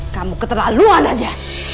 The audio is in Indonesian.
kamu keterlaluan aja